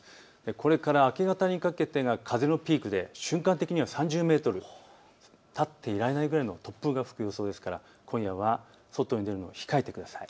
これから明け方にかけてが風のピークで、瞬間的には３０メートル、立っていられないくらいの突風が吹く予想ですから今夜は外に出るのを控えてください。